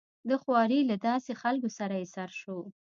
د خوارې له داسې خلکو سره يې سر شو.